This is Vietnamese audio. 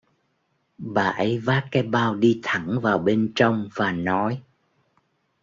bà ấy vác cái bao đi thẳng vào bên trong và nói